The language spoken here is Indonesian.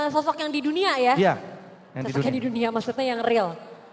sosok yang di dunia maksudnya yang real